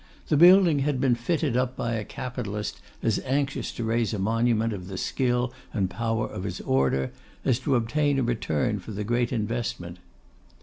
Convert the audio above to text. The building had been fitted up by a capitalist as anxious to raise a monument of the skill and power of his order, as to obtain a return for the great investment.